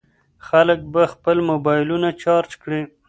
خلک به خپل موبایلونه چارج کړي.